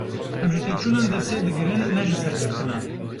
Em ji têkçûnan dersê digirin, ne ji serkeftinan!